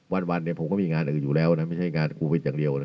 วันเนี่ยผมก็มีงานอื่นอยู่แล้วนะไม่ใช่งานโควิดอย่างเดียวนะ